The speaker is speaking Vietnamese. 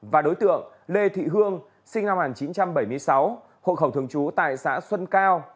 và đối tượng lê thị hương sinh năm một nghìn chín trăm bảy mươi sáu hộ khẩu thường trú tại xã xuân cao